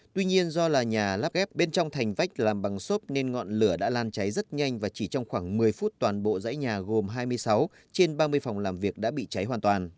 tuy nhiên do là nhà lắp ghép bên trong thành vách làm bằng xốp nên ngọn lửa đã lan cháy rất nhanh và chỉ trong khoảng một mươi phút toàn bộ dãy nhà gồm hai mươi sáu trên ba mươi phòng làm việc đã bị cháy hoàn toàn